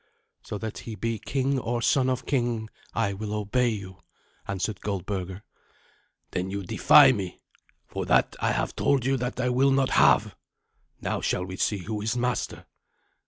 "So that he be king or son of a king, I will obey you," answered Goldberga. "Then you defy me. For that I have told you that I will not have. Now shall we see who is master.